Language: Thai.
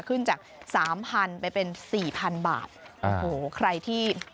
ขึ้นจาก๓๐๐๐ไปเป็น๔๐๐๐บาท